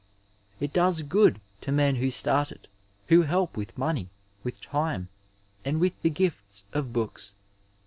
It does good to men who start it, who hdp with money, with time and with the gifts of books.